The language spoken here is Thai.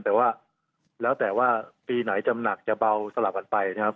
แต่ว่าแล้วแต่ว่าปีไหนจะหนักจะเบาสลับกันไปนะครับ